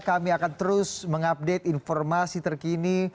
kami akan terus mengupdate informasi terkini